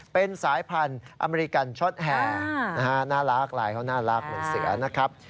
เป็นสายพันธุ์อเมริกันช็อตแห่น่ารักลายเขาน่ารักเหมือนเสือนะครับ